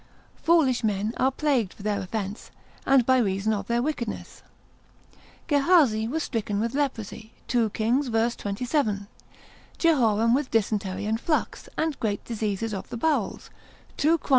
Foolish men are plagued for their offence, and by reason of their wickedness. Gehazi was stricken with leprosy, 2 Reg. v. 27. Jehoram with dysentery and flux, and great diseases of the bowels, 2 Chron.